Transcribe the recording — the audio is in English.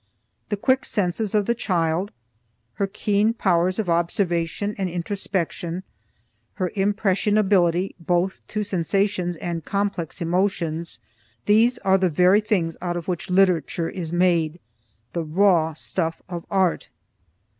The quick senses of the child, her keen powers of observation and introspection, her impressionability both to sensations and complex emotions these are the very things out of which literature is made; the raw stuff of art.